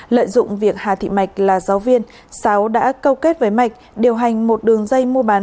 lợi dụng việc hà thị mạch là giáo viên sáu đã câu kết với mạch điều hành một đường dây mua bán